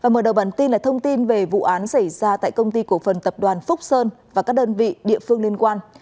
mở đầu bản tin là thông tin về vụ án xảy ra tại công ty cổ phần tập đoàn phúc sơn và các đơn vị địa phương liên quan